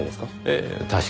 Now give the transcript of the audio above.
ええ確かに。